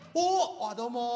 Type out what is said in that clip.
あっどうも。